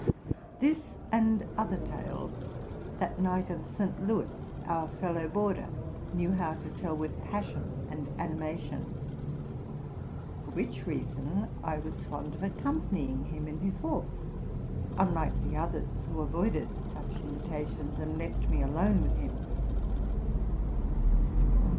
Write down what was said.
This and other tales, that knight of St. Louis, our fellow boarder, knew how to tell with passion and animation; for which reason I was fond of accompanying him in his walks, unlike the others, who avoided such invitations, and left me lone with him.